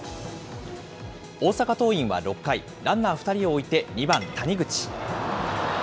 大阪桐蔭は６回、ランナー２人を置いて２番谷口。